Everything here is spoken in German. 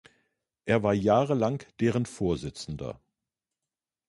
Er war jahrelang deren Vorsitzender.